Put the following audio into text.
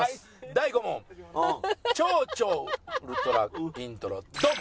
第５問超々ウルトライントロドン。